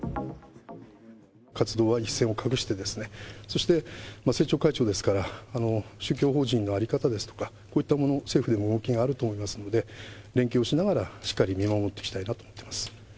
活動は一線を画してですね、そして政調会長ですから、宗教法人の在り方ですとか、こういったもの、政府でも動きがあると思いますので、連携をしながら、しっかり見守っていきたいなと思っています。